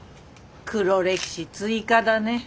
黒歴史追加だね。